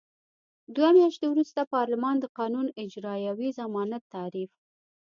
دوه میاشتې وروسته پارلمان د قانون اجرايوي ضمانت تعریف.